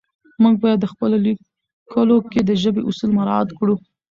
موږ باید په لیکلو کې د ژبې اصول مراعت کړو